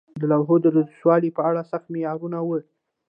د لوحو د درستوالي په اړه سخت معیارونه وو.